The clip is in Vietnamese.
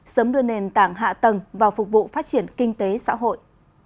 sớm đưa nền tảng hạ tầng vào phục vụ phát triển kinh tế xã hội